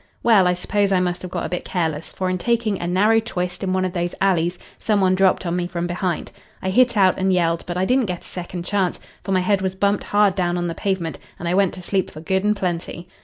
Well, I suppose I must have got a bit careless, for in taking a narrow twist in one of those alleys some one dropped on me from behind. I hit out and yelled, but I didn't get a second chance, for my head was bumped hard down on the pavement and I went to sleep for good and plenty.